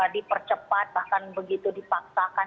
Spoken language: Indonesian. dipercepat bahkan begitu dipaksakan